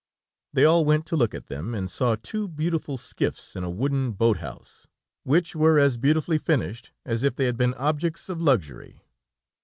They all went to look at them, and saw two beautiful skiffs in a wooden boat house, which were as beautifully finished as if they had been objects of luxury.